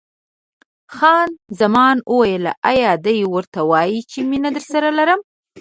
خان زمان وویل: ایا دی ورته وایي چې مینه درسره لرم؟